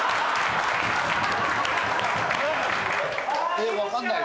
えっ分かんない。